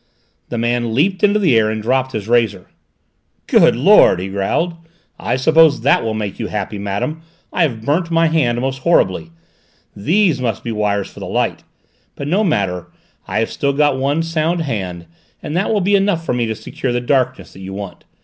The man leaped into the air, and dropped his razor. "Good Lord!" he growled, "I suppose that will make you happy, madame: I have burnt my hand most horribly! These must be wires for the light! But no matter: I have still got one sound hand, and that will be enough for me to secure the darkness that you want.